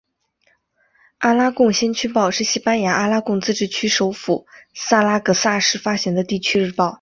阿拉贡先驱报是西班牙阿拉贡自治区首府萨拉戈萨市发行的地区日报。